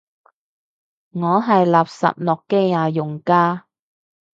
我係垃圾諾基亞用家